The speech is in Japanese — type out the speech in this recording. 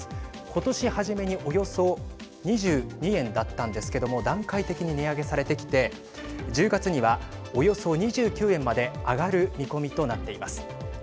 今年初めにおよそ２２円だったんですけども段階的に値上げされてきて１０月には、およそ２９円まで上がる見込みとなっています。